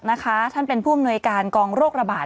ท่านเป็นผู้อำนวยการกองโรคระบาด